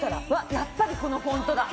やっぱりこのフォントだ。